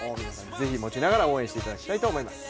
ぜひ持ちながら応援していただきたいと思います。